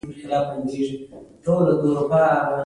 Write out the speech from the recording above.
هر هیواد ځانته ښیګڼی لري